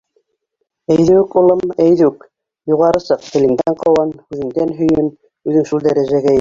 — Әйҙүк, улым, әйҙүк, юғары сыҡ, телеңдән ҡыуан, һүҙеңдән һөйөн, үҙең шул дәрәжәгә ет!